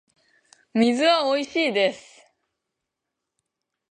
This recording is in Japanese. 水はおいしいです